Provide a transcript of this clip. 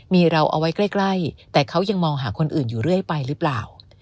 มีเราเอาไว้ใกล้แต่เขายังมองหาคนอื่นอยู่เรื่อยไปหรือเปล่า